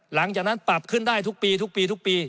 หลังจากนั้นปรับขึ้นได้ทุกปีทุกปีทุกปี